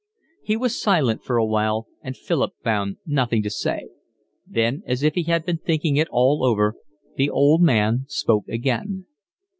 He was silent for a while, and Philip found nothing to say. Then, as if he had been thinking it all over, the old man spoke again.